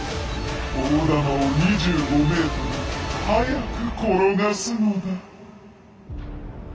大玉を２５ｍ速く転がすのだ！